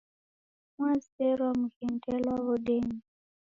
Mwazerwa mghendelwa w'udenyi